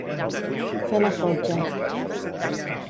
Fer la fotja.